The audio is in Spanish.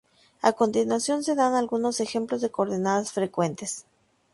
A continuación se dan algunos ejemplos de coordenadas frecuentes.